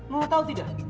lo tau tidak